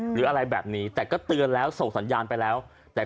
หรืออะไรแบบนี้แต่ก็เตือนแล้วส่งสัญญาณไปแล้วแต่